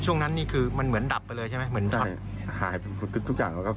ช่วงนั้นมันเหมือนดับไปเลยใช่ไหม